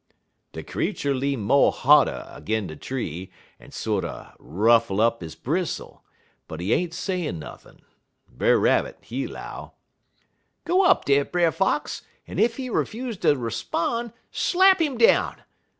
"De creetur lean mo' harder 'gin' de tree, en sorter ruffle up he bristle, but he ain't sayin' nothin'. Brer Rabbit, he 'low: "'Go up dar, Brer Fox, en ef he 'fuse ter 'spon' slap 'im down!